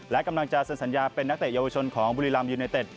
และกำลังจะเซ็นสัญญาเป็นนักเตะเยาวชนของบุรีรัมยูไนเต็ด